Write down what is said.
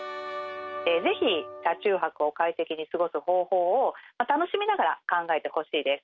ぜひ車中泊を快適に過ごす方法を楽しみながら考えてほしいです。